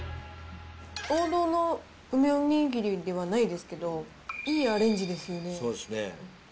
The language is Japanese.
王道の梅おにぎりではないですけど、いいアレンジですよね。